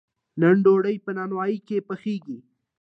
نن ډوډۍ په نانواییو کې پخیږي.